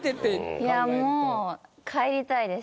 いやもう帰りたいです。